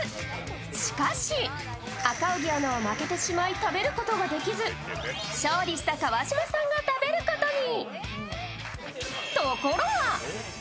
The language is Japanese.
しかし、赤荻アナが負けてしまい食べることができず勝利した川島さんが食べることに。